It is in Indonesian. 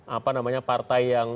apa namanya partai yang